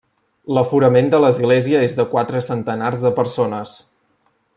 L'aforament de l'església és de quatre centenars de persones.